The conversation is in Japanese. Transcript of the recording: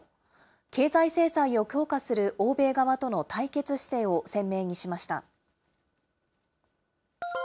経済制裁を強化する欧米側との対決姿勢を鮮明にしました。